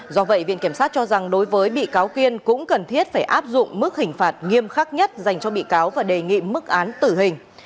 do vậy viện kiểm sát cho rằng đối với bị cáo kiên cũng cần thiết phải áp dụng mức hình phạt nghiêm khắc nhất dành cho bị cáo và đề nghị mức án tử hình